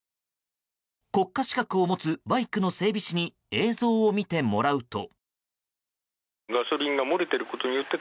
国家資格を持つバイクの整備士に映像を見てもらうと。